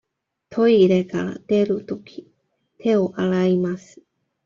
トイレから出るとき、手を洗います。